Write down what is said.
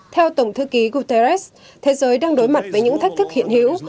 theo tổng thư ký guterres thế giới đang đối mặt với những thách thức hiện hữu